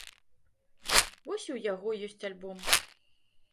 Вось і ў яго ёсць альбом.